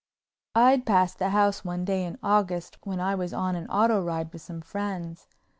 I'd passed the house one day in August when I was on an auto ride with some friends.